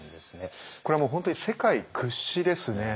これはもう本当に世界屈指ですね。